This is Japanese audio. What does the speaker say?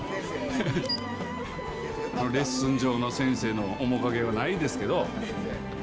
レッスン場の先生の面影はないんですけど。